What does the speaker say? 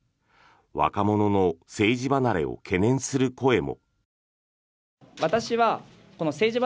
若者の政治離れを懸念する声も。